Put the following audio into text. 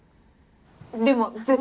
でも絶対。